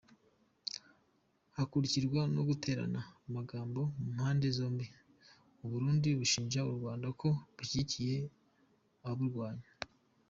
Hakurikirwa no guterana amagambo ku mpande zombi. Uburundi bushinja Urwanda ko bushyigikiye ababurwanya.